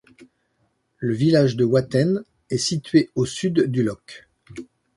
Le village de Watten est situé au sud du loch.